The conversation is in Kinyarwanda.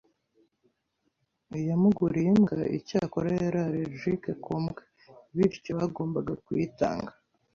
Yamuguriye imbwa. Icyakora, yari allergic ku mbwa, bityo bagombaga kuyitanga.